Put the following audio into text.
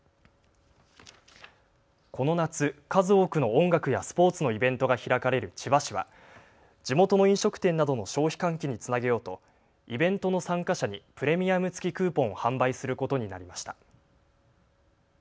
この夏、数多くの音楽やスポーツのイベントが開かれる千葉市は地元の飲食店などの消費喚起につなげようとイベントの参加者にプレミアム付きクーポンを販売することになりました。